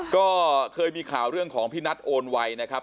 ก็เคยมีข่าวเรื่องของพี่นัทโอนไวนะครับ